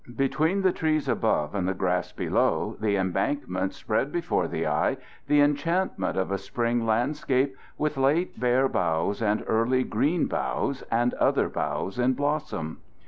Between the trees above and the grass below, the embankment spread before the eye the enchantment of a spring landscape, with late bare boughs and early green boughs and other boughs in blossom.